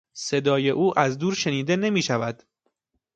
صدای او از دور شنیده نمیشود.